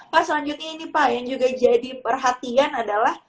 pak selanjutnya ini pak yang juga jadi perhatian adalah